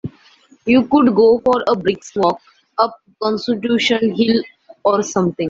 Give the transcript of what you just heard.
You could go for a brisk walk up Constitution Hill or something.